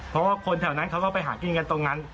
เพราะว่าคนแถวนั้นเขาก็ไปหากินกันตรงนั้น